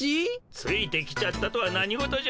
ついてきちゃったとは何事じゃ。